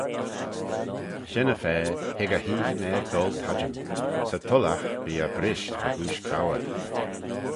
Shen-y-fa hig e heaghyn er doaltattym: 'sy tullogh bee eh brisht fegooish couyr.